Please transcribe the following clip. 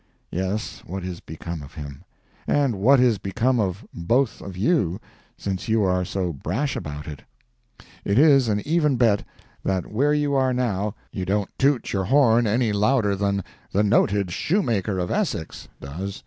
Yes, what is become of him—and what is become of both of you, since you are so brash about it? It is an even bet that where you are now you don't toot your horn any louder than "the noted shoemaker of Essex" does.